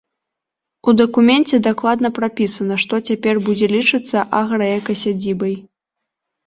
У дакуменце дакладна прапісана, што цяпер будзе лічыцца аграэкасядзібай.